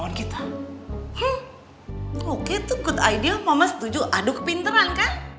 oke itu good idea mama setuju aduk pinteran kan